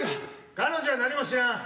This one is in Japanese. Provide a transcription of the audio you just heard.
彼女は何も知らん。